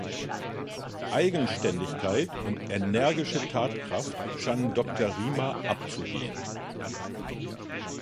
Eigenständigkeit und energische Tatkraft scheinen Doktor Riemer abzugehen.